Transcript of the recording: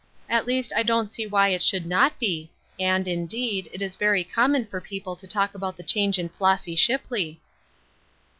" At least I don't see why it should not be ; and, indeed, it is very common for people to talk about the change in Flossy Sliipley."